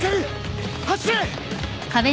走れ！